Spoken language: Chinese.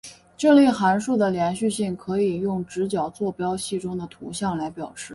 这类函数的连续性可以用直角坐标系中的图像来表示。